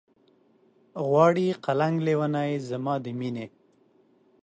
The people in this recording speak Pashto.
غواړي قلنګ لېونے زما د مينې